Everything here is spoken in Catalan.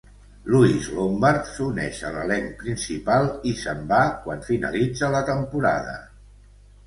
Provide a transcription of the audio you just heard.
Louise Lombard s'uneix a l'elenc principal, i se'n va quan finalitza la temporada.